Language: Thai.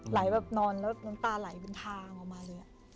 แบบนอนแล้วน้ำตาไหลเป็นทางออกมาเลย